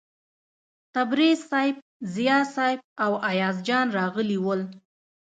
تبریز صیب، ضیا صیب او ایاز جان راغلي ول.